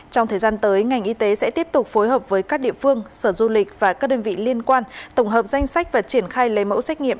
trong thời gian tới ngành y tế sẽ tiếp tục phối hợp với các địa phương sở du lịch và các đơn vị liên quan tổng hợp danh sách và triển khai lấy mẫu xét nghiệm